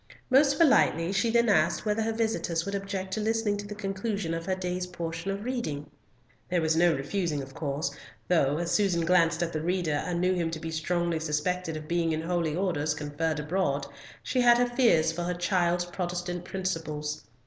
Most politely she then asked whether her visitors would object to listening to the conclusion of her day's portion of reading. There was no refusing, of course, though, as Susan glanced at the reader and knew him to be strongly suspected of being in Holy Orders conferred abroad, she had her fears for her child's Protestant principles.